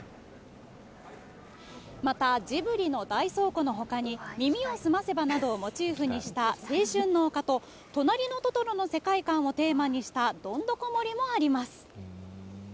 また、ジブリの大倉庫のほかに、耳をすませばなどをモチーフにした青春の丘と、となりのトトロの世界観をテーマにした、どんどこ森もあります。